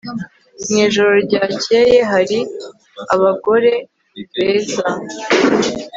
Mu ijoro ryakeye hari abagore beza